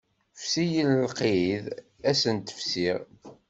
Fsi-yi lqid ad sent-fsiɣ.